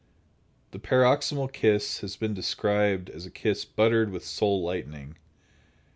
The "paroxysmal kiss" has been described as a kiss "buttered with soul lightning."